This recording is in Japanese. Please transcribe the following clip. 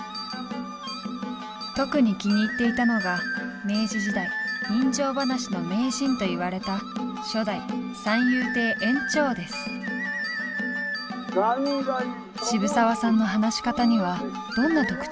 特に気に入っていたのが明治時代人情噺の名人といわれた渋沢さんの話し方にはどんな特徴が？